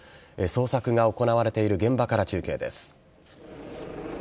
捜索が行われている現場から中継です。